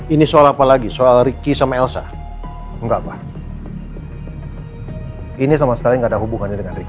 ini soal apa lagi soal ricky sama elsa enggak pak ini sama sekali enggak ada hubungannya dengan ricky